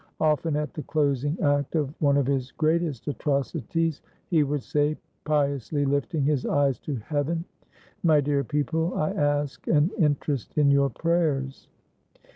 Often at the closing act of one of his greatest atrocities, he would say, piously Hfting his eyes to heaven, "My dear people, I ask an interest in your prayers."